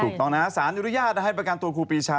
ถูกต้องนะสารอนุญาตให้ประกันตัวครูปีชา